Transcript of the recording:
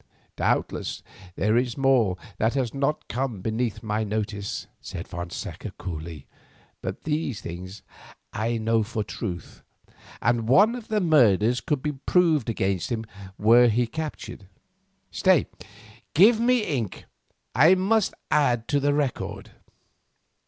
"Doubtless there is more that has not come beneath my notice," said Fonseca coolly, "but these things I know for truth, and one of the murders could be proved against him were he captured. Stay, give me ink, I must add to the record."